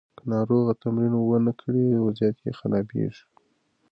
که ناروغ تمرین ونه کړي، وضعیت یې خرابیږي.